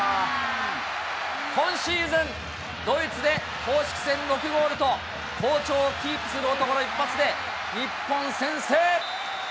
今シーズン、ドイツで公式戦６ゴールと好調をキープする男の一発で、日本先制。